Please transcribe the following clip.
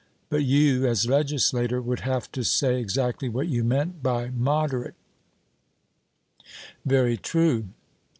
But you, as legislator, would have to say exactly what you meant by 'moderate.' 'Very true.'